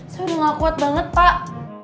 saya udah ngakuat banget pak